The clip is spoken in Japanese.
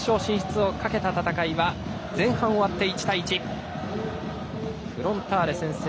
１２月９日決勝進出をかけた戦いは前半終わって１対１フロンターレ、先制。